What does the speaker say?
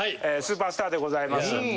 「スーパースター」でございました。